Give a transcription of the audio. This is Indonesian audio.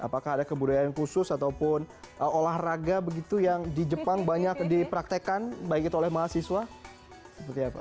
apakah ada kebudayaan khusus ataupun olahraga begitu yang di jepang banyak dipraktekan baik itu oleh mahasiswa seperti apa